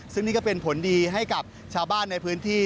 ซึ่งนี่ก็เป็นผลดีให้กับชาวบ้านในพื้นที่